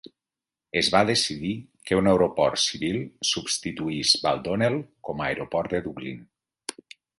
Es va decidir que un aeroport civil substituís Baldonnel com a aeroport de Dublín.